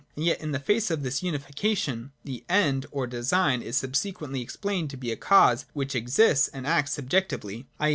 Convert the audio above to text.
And yet in the face of this unification, the End or design is subsequently explained to be a cause which exists and acts subjectively, i.